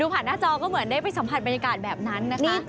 ผ่านหน้าจอก็เหมือนได้ไปสัมผัสบรรยากาศแบบนั้นนะคะ